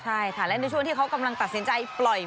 ใช่ค่ะและในช่วงที่เขากำลังตัดสินใจปล่อย